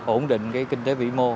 ổn định cái kinh tế vĩ mô